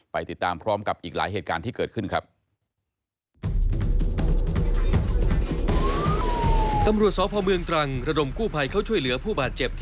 ไปติดตามพร้อมกับอีกหลายเหตุการณ์ที่เกิดขึ้นครับ